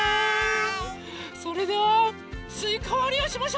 それではすいかわりをしましょう！